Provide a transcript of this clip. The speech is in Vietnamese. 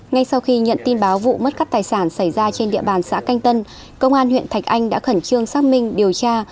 ngay sau khi nhận tin báo vụ mất cắp tài sản xảy ra trên địa bàn xã canh tân công an huyện thạch anh đã khẩn trương xác minh điều tra